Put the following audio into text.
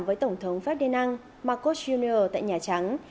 với tổng thống ferdinand marcos jr tại nhà trắng